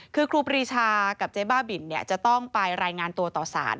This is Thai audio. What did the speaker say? คือครูปรีชากับเจ๊บ้าบินจะต้องไปรายงานตัวต่อสาร